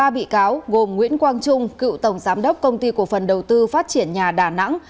ba bị cáo gồm nguyễn quang trung cựu tổng giám đốc công ty cổ phần đầu tư phát triển nhà đà nẵng